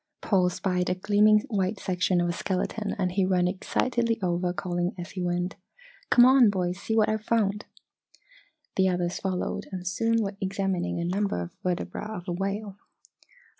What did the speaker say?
Paul spied a gleaming white section of a skeleton and he ran excitedly over calling as he went: "Come on, boys! See what I've found!" The others followed and soon were examining a number of vertebra of a whale.